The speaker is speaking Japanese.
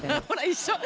一緒！